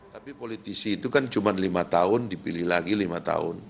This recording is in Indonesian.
tapi politisi itu kan cuma lima tahun dipilih lagi lima tahun